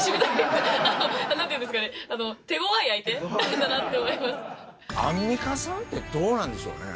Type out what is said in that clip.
なんていうんですかね、手ごわいアンミカさんってどうなんでしょうね？